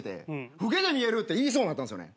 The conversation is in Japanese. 「老けて見える」って言いそうになったんすよね。